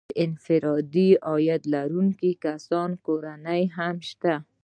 د انفرادي عاید لرونکو کسانو کورنۍ هم شته